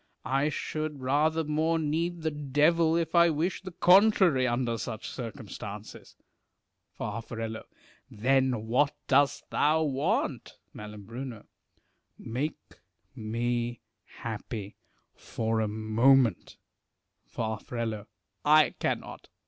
I should rather more need the devil, if I wished the contrary, under such circumstances. Far. Then what dost thou want ? Mai. Make me happy for a moment. . Far. I cannot.